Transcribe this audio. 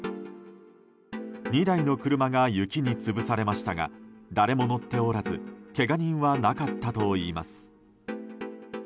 ２台の車が雪に潰されましたが誰も乗っておらずけが人はなかったといいます。